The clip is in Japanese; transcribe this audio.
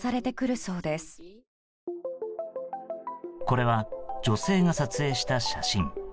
これは、女性が撮影した写真。